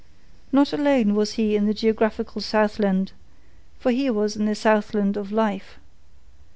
Not alone was he in the geographical Southland, for he was in the Southland of life.